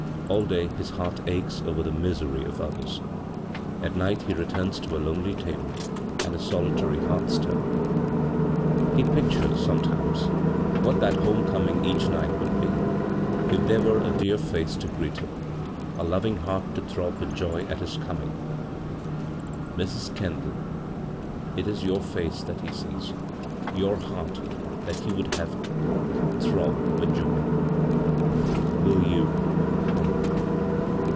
All day his heart aches over the misery of others. At night he returns to a lonely table and a soli* tary hearthstone. " He pictures, sometimes, what that home coming each night would be if there were a dear face to greet him, a loving heart to throb with joy at his coming. .■. Mrs. 176 b, Google CROSS CURRENTS Kendall, it is your face that he sees, your heart that he would have throb with joy. Will you — come